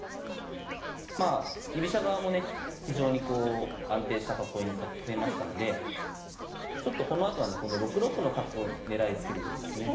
まあ居飛車側もね非常にこう安定した囲いに組めましたのでちょっとこのあとはねこの６六の角狙いつけていくんですね。